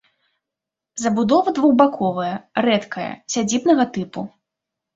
Забудова двухбаковая, рэдкая, сядзібнага тыпу.